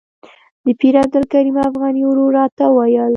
د پیر عبدالکریم افغاني ورور راته وویل.